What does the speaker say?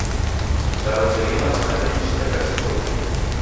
Charo cheghenda masakenyi chedeka chipoiye.